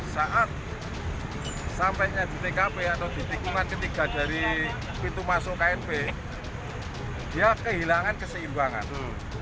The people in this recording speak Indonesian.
saat sampainya di tkp atau di tikungan ketiga dari pintu masuk knp dia kehilangan keseimbangan